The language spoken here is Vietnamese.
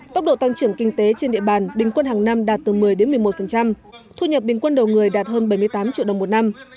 tốc độ tăng trưởng kinh tế trên địa bàn bình quân hàng năm đạt từ một mươi một mươi một thu nhập bình quân đầu người đạt hơn bảy mươi tám triệu đồng một năm